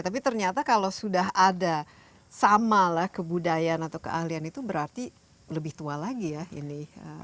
tapi ternyata kalau sudah ada sama lah kebudayaan atau keahlian itu berarti lebih tua lagi ya ini